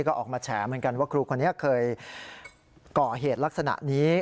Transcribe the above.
ก็ออกมาแฉเหมือนกันว่าครูคนนี้เคยก่อเหตุลักษณะนี้